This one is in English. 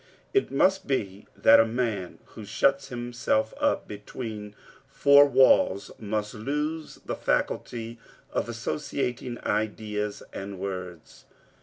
It must be that a man who shuts himself up between four walls must lose the faculty of associating ideas and words.